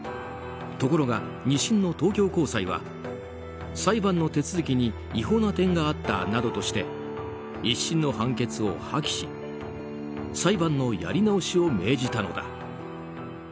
ところが、２審の東京高裁は裁判の手続きに違法な点があったなどとして１審の判決を破棄し裁判のやり直しを命じたのだ。